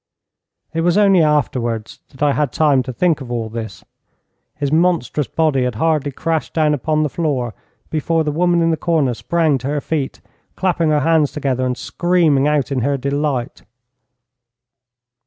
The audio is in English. It was only afterwards that I had time to think of all this. His monstrous body had hardly crashed down upon the floor before the woman in the corner sprang to her feet, clapping her hands together and screaming out in her delight.